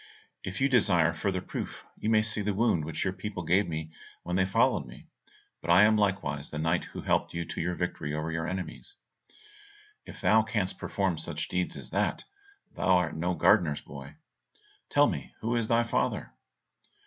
"If you desire further proof, you may see the wound which your people gave me when they followed me. But I am likewise the knight who helped you to your victory over your enemies." "If thou canst perform such deeds as that, thou art no gardener's boy; tell me, who is thy father?"